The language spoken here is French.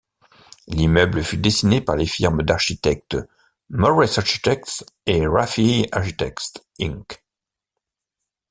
L'immeuble fut dessinée par les firmes d'architectes Morris Architects et Rafii Architects Inc..